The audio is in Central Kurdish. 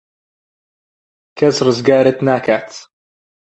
کەس ڕزگارت ناکات.